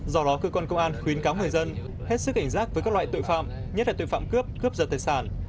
do đó cơ quan công an khuyến cáo người dân hết sức cảnh giác với các loại tội phạm nhất là tội phạm cướp cướp giật tài sản